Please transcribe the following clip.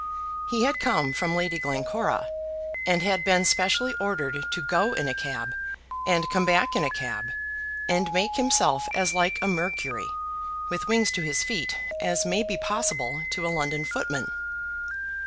He had come from Lady Glencora, and had been specially ordered to go in a cab and come back in a cab, and make himself as like a Mercury, with wings to his feet, as may be possible to a London footman.